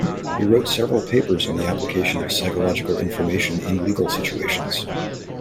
He wrote several papers on the application of psychological information in legal situations.